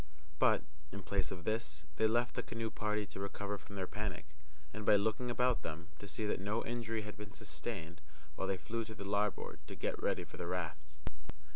But, in place of this, they left the canoe party to recover from their panic, and, by looking about them, to see that no injury had been sustained, while they flew to the larboard to get ready for the rafts.